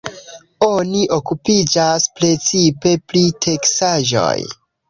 Oni okupiĝas precipe pri teksaĵoj.